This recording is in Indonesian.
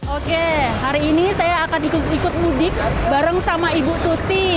oke hari ini saya akan ikut mudik bareng sama ibu tuti